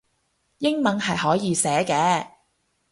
英文係可以寫嘅